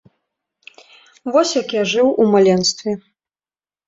Вось як я жыў у маленстве.